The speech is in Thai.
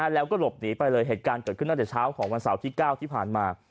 แล้วก็หลบหนีไปเลยเหตุการณ์เกิดขึ้นตั้งแต่เช้าของวันเสาร์ที่๙ที่ผ่านมา